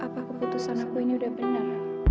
apa keputusan aku ini udah benar